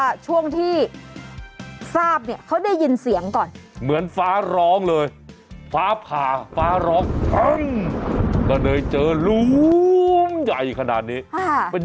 อ่ะส่วน๑๘มิถุนายนนะครับก็มีค่าน้ำ๑๐๐บาทต่อกรัวเรือน